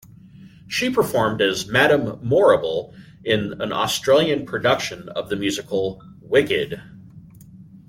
She performed as Madame Morrible in an Australian production of the musical "Wicked".